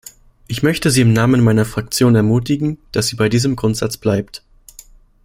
Ich möchte sie im Namen meiner Fraktion ermutigen, dass sie bei diesem Grundsatz bleibt.